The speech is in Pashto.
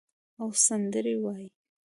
او سندرې وایې